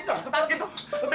seperti itu ampun